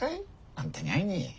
あんたに会いに。